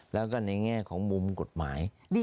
แล้วก็ในแง่ของมุมกฎหมาย